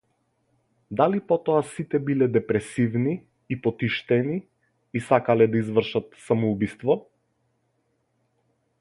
Дали потоа сите биле депресивни и потиштени и сакале да извршат самоубиство?